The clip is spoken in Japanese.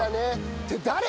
って誰！？